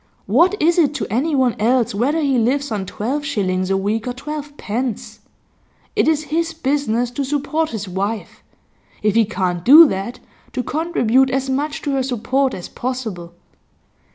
What is it to anyone else whether he lives on twelve shillings a week or twelve pence? It is his business to support his wife; if he can't do that, to contribute as much to her support as possible.